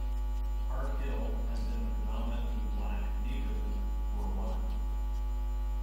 Park Hill has been a predominantly black neighborhood for a while.